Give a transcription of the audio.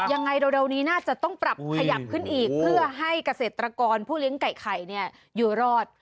ยังไงเร็วนี้น่าจะต้องปรับขยับขึ้นอีกเพื่อให้เกษตรกรผู้เลี้ยงไก่ไข่อยู่รอด